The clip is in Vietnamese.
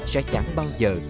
sẽ chẳng bao giờ